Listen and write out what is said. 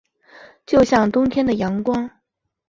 就像冬天的阳光